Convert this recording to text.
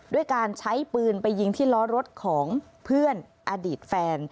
ด้วยการใช้ปืนไปยิงที่ล้อรถของเพื่อนอดีตแฟน